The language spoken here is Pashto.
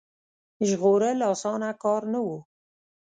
ژغورل اسانه کار نه وو.